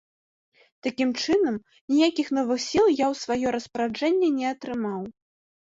Такім чынам, ніякіх новых сіл я ў сваё распараджэнне не атрымаў.